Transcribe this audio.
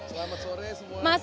selamat sore semuanya